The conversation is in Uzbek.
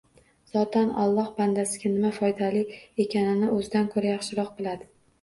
Zotan, Alloh bandasiga nima foydali ekanini o‘zidan ko‘ra yaxshiroq biladi.